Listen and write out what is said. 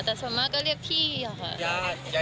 แต่ส่วนมากก็เรียกพี่ค่ะ